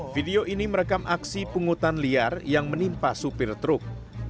video ini merekam aksi pungutan liar yang menimpa supir truk